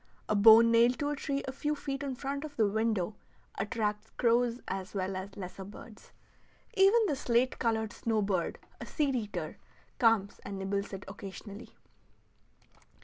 A bone nailed to a tree a few feet in front of the window attracts crows as well as lesser birds. Even the slate colored snow bird, a seed eater, comes and nibbles it occasionally.